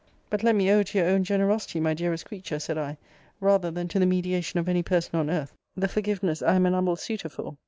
But let me owe to your own generosity, my dearest creature, said I, rather than to the mediation of any person on earth, the forgiveness I am an humble suitor for.